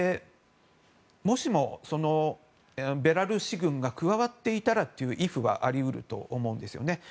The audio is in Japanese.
もしもベラルーシ軍が加わっていたらというイフがあり得ると思うんですね。